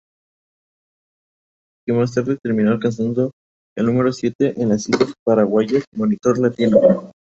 Que más tarde terminó alcanzando el número siete en las listas paraguayas Monitor Latino.